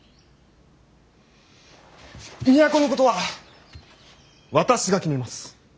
都のことは私が決めます。